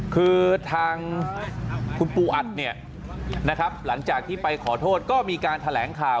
คือทางคุณปูอัดเนี่ยนะครับหลังจากที่ไปขอโทษก็มีการแถลงข่าว